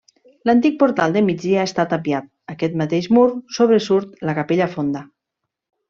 L'antic portal de migdia està tapiat, d'aquest mateix mur sobresurt la capella fonda.